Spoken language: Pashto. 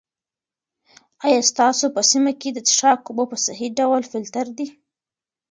آیا ستاسو په سیمه کې د څښاک اوبه په صحي ډول فلټر دي؟